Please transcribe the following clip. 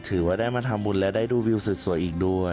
ถือว่าได้มาทำบุญและได้ดูวิวสวยอีกด้วย